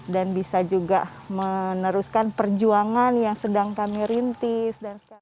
dan bisa juga meneruskan perjuangan yang sedang kami rintis dan sebagainya